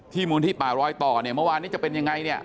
มูลที่ป่ารอยต่อเนี่ยเมื่อวานนี้จะเป็นยังไงเนี่ย